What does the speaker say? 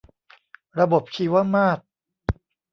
ระบบชีวมาตร